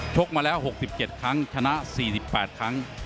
กมาแล้ว๖๗ครั้งชนะ๔๘ครั้ง